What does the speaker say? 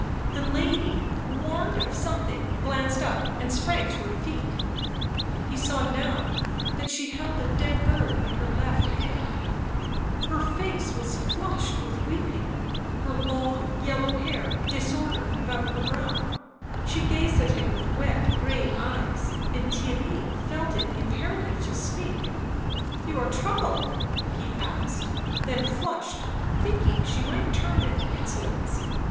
The lady, warned of something, glanced up and sprang to her feet ; he saw now that she held a dead bird in her left hand; her face was flushed with weeping, her long yellow hair disordered about her brow; she gazed at him with wet grey eyes, and Theirry felt it imperative to speak. "You are troubled?" he asked, then flushed, thinking she might term it insolence.